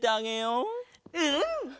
うん！